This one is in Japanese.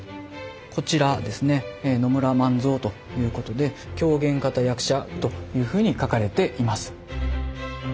こちらですね野村万蔵ということで「狂言方役者」というふうに書かれています。